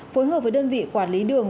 phối hợp với đơn vị quản lý đường